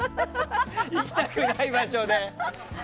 行きたくない場所で。